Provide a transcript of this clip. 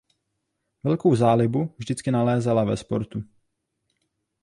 Velkou zálibu vždycky nalézala ve sportu.